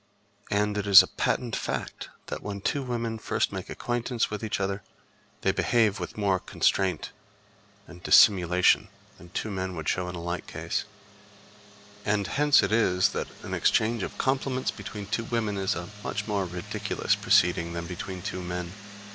And it is a patent fact that when two women make first acquaintance with each other, they behave with more constraint and dissimulation than two men would show in a like case; and hence it is that an exchange of compliments between two women is a much more ridiculous proceeding than between two men.